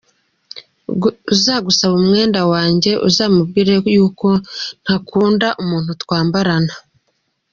Uzagusaba umwenda wange uzamubwire yuko ntakunda umuntu twambarana.